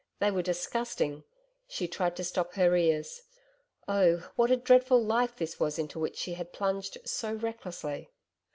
They were disgusting. She tried to stop her ears .... Oh what a dreadful life this was into which she had plunged so recklessly!